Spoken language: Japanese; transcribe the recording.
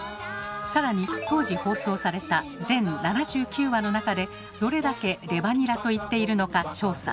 更に当時放送された全７９話の中でどれだけ「レバニラ」と言っているのか調査。